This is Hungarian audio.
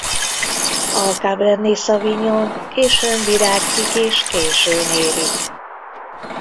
A cabernet sauvignon későn virágzik és későn érik.